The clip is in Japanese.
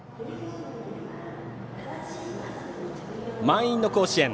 満員の甲子園。